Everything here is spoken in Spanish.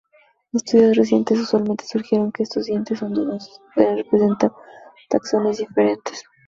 Estudios recientes usualmente sugirieron que estos dientes son dudosos, y podrían representar taxones diferentes.